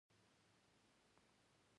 موږ ټول پښتانه یو ډول نه یوو.